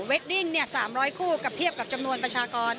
ดิ้ง๓๐๐คู่กับเทียบกับจำนวนประชากร